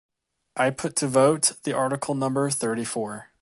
I put to vote the article number thirty four.